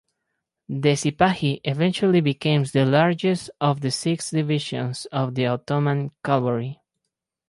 The Sipahi eventually became the largest of the six divisions of the Ottoman cavalry.